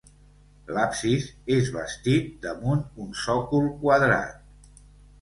L'absis és bastit damunt un sòcol quadrat.